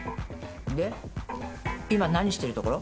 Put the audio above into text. で今何してるところ？